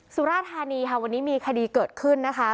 สุราธานีค่ะวันนี้มีคดีเกิดขึ้นนะคะ